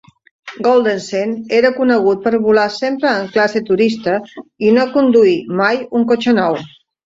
Goldenson era conegut per volar sempre en classe turista i no conduir mai un cotxe nou.